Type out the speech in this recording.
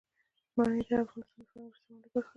منی د افغانستان د فرهنګي فستیوالونو برخه ده.